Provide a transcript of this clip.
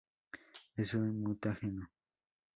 Es un mutágeno.